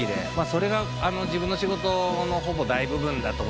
それが自分の仕事のほぼ大部分だと思います。